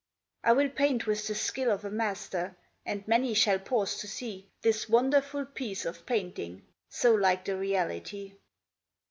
I will paint with the skill of a master, And many shall pause to see This wonderful piece of painting, So like the reality.